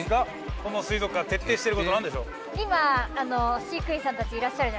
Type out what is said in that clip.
この水族館徹底している事何でしょう？